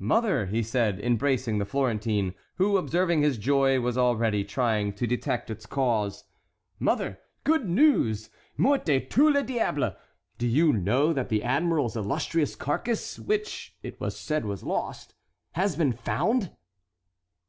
"Mother," he said, embracing the Florentine, who, observing his joy, was already trying to detect its cause; "mother, good news! Mort de tous les diables! Do you know that the admiral's illustrious carcass which it was said was lost has been found?"